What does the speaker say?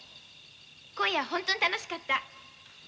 今夜、本当に楽しかった。